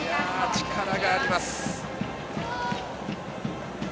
力があります。